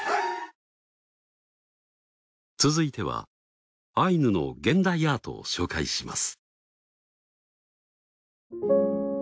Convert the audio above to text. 続いてはアイヌの現代アートを紹介します。